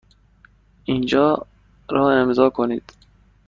اینجا را امضا کنید.